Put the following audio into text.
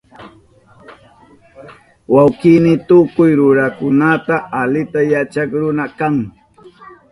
Wawkini tukuy ruranakunata alita yachak runa kan